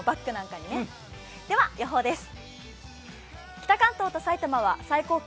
では、予報です。